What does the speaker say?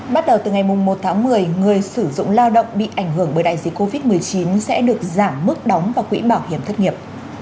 bắt đầu từ ngày một tháng một mươi người sử dụng lao động bị ảnh hưởng bởi đại dịch covid một mươi chín sẽ được giảm mức đóng vào quỹ bảo hiểm thất nghiệp